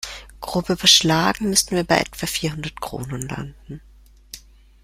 Grob überschlagen müssten wir bei etwa vierhundert Kronen landen.